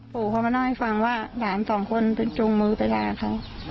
ปู่พ่อมานั่งให้ฟังว่าหลานสองคนจุงมือตะยาค่ะ